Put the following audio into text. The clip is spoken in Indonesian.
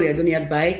itu niat baik